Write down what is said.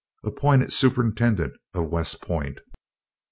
Appointed superintendent of West Point.